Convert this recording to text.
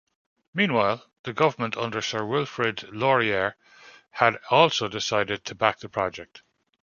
Meanwhile, the government, under Sir Wilfrid Laurier, had also decided to back the project.